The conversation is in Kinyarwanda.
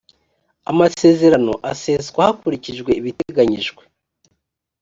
amasezerano aseswa hakurikijwe ibiteganyijwe .